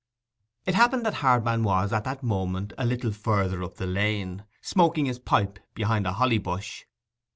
It happened that Hardman was at that moment a little further up the lane, smoking his pipe behind a holly bush.